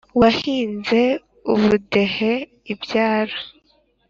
Wahinze ubudehe ibyaro.